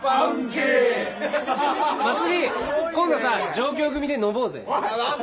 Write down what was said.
茉莉今度さ上京組で飲もうぜ！